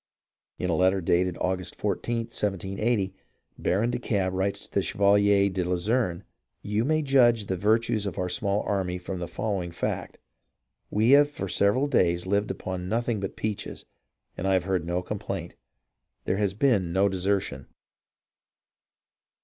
In a letter dated August 14th, 1780, Baron de Kalb writes to the Chevalier de la Luzerne: "You may judge of the virtues of our small army from the following fact : we have for several days lived upon nothing but peaches, and I have heard no complaint. There has been no desertion."